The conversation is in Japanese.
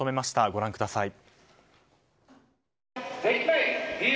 ご覧ください。